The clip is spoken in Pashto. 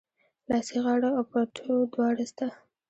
لاسي غاړه او پټو دواړه سته